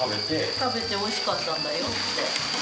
食べておいしかったんだよって。